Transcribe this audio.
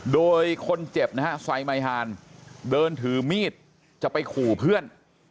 โดยคนเจ็บนะฮะไซไมฮานเดินถือมีดจะไปขู่เพื่อน